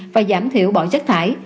và giảm thiểu bỏ chất thải